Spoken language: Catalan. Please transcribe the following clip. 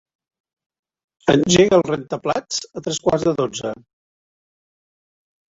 Engega el rentaplats a tres quarts de dotze.